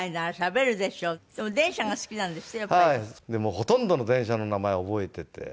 ほとんどの電車の名前覚えてて。